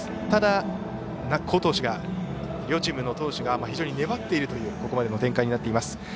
ただ、好投手が両チームの投手が非常に粘っているというここまでの展開になっています。